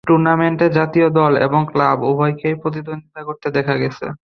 টুর্নামেন্টে জাতীয় দল এবং ক্লাব উভয়কেই প্রতিদ্বন্দ্বিতা করতে দেখা গেছে।